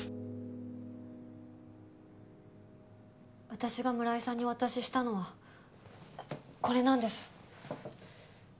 私が村井さんにお渡ししたのはこれなんです。